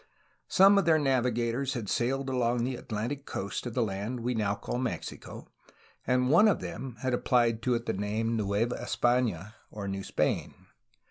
Some of their navigators had sailed along the Atlantic coast of the land we now call Mexico, and one of them had applied to it the name ^^Nueva Espana,'* or New Spain.